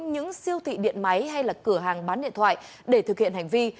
những siêu thị điện máy hay là cửa hàng bán điện thoại để thực hiện hành vi